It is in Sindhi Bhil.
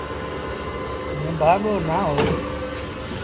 نڀآڳو نا هوئي۔